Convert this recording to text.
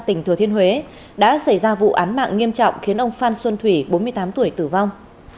tỉnh thừa thiên huế đã xảy ra vụ án mạng nghiêm trọng khiến ông phan xuân thủy bốn mươi tám tuổi tử vong